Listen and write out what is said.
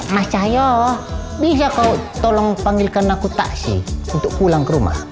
mas cahyo bisa kau tolong panggilkan aku taksi untuk pulang ke rumah